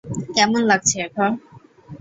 কেমন লাগছে এখন?